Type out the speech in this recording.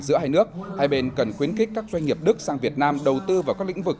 giữa hai nước hai bên cần khuyến khích các doanh nghiệp đức sang việt nam đầu tư vào các lĩnh vực